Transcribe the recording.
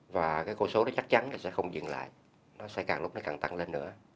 và con số đó chắc chắn sẽ không dừng lại nó sẽ càng lúc càng tăng lên nữa